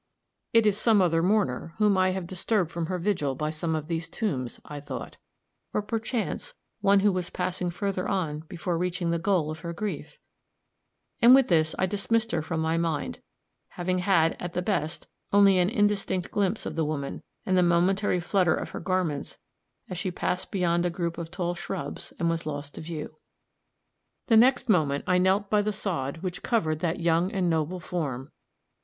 "It is some other mourner, whom I have disturbed from her vigil by some of these tombs," I thought "or, perchance, one who was passing further on before reaching the goal of her grief," and with this I dismissed her from my mind, having had, at the best, only an indistinct glimpse of the woman, and the momentary flutter of her garments as she passed beyond a group of tall shrubs and was lost to view. The next moment I knelt by the sod which covered that young and noble form.